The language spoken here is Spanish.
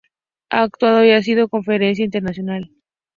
Ha actuado y ha sido conferencista internacional.